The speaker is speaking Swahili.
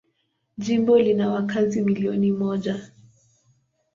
Jimbo lina wakazi milioni moja.